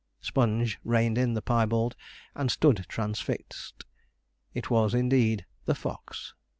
Sponge reined in the piebald, and stood transfixed. It was, indeed, the fox!